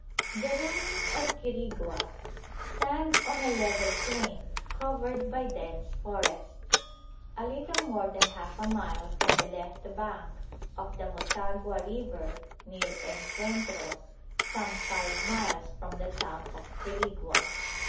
The ruins of Quirigua stand on a level plain covered by dense forest, a little more than half a mile from the left bank of the Motagua River near En Cuentros, some five miles from the town of Quirigua.